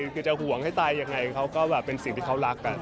คือจะห่วงให้ตายยังไงเขาก็แบบเป็นสิ่งที่เขารัก